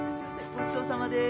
ごちそうさまです。